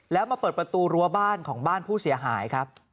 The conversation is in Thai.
แล้วมาเปิดประตูรั้วบ้านของบ้านผู้เสียหายครับ